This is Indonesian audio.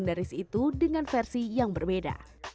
dan ponsel legendaris itu dengan versi yang berbeda